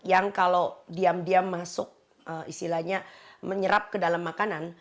yang kalau diam diam masuk istilahnya menyerap ke dalam makanan